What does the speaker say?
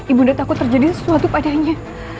ibu nda takut terjadi sesuatu padanya